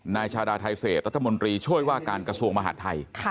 นายชาดาไทเศษรัฐมนตรีช่วยว่าการกระทรวงมหาดไทย